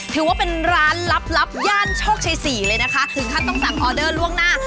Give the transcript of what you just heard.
ถือว่าเป็นร้านลับย่านโชคชัยสี่เลยนะคะถึงขั้นต้องสั่งออเดอร์ล่วงหน้า